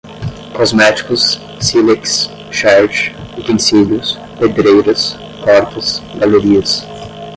cosméticos, sílex, cherte, utensílios, pedreiras, cortas, galerias